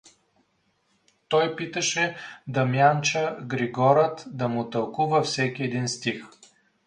Той питаше Дамянча Григорът да му тълкува всеки един стих.